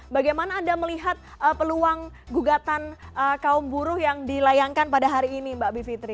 bagaimana anda melihat peluang gugatan kaum buruh yang dilayangkan pada hari ini mbak bivitri